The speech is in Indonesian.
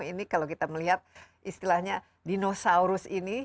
ini kalau kita melihat istilahnya dinosaurus ini